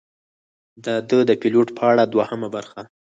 دا ده د پیلوټ په اړه دوهمه برخه: